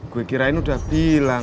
gue kirain udah bilang